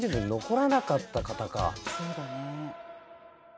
そうだね。